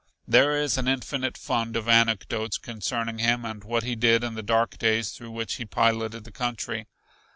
There is an infinite fund of anecdotes concerning him and what he did in the dark days through which he piloted the country.